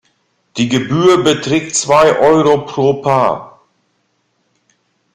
Die Gebühr beträgt zwei Euro pro Paar.